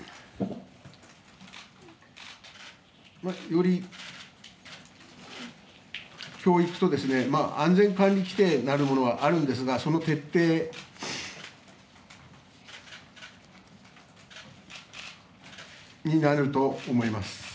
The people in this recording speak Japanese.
より教育と、安全管理規程なるものはあるんですがその徹底になると思います。